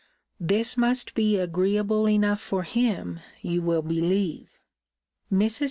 This must be agreeable enough for him, you will believe. Mrs.